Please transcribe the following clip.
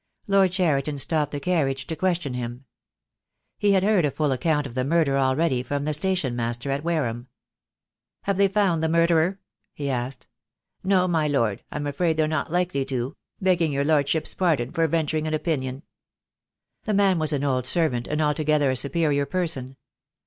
Lord Cheriton stopped the carriage to question him. He had heard a full account of the murder already from the station master at Wareham. "Have they found the murderer?" he asked. "No, my Lord, I'm afraid they're not likely to — begging your Lordship's pardon for venturing an opinion." The man was an old servant, and altogether a superior person.